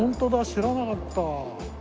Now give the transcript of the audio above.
知らなかった。